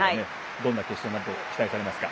どんな決勝になると期待されますか？